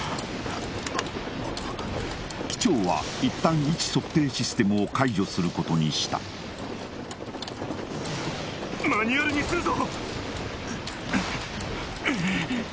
機長は一旦位置測定システムを解除することにしたマニュアルにするぞ！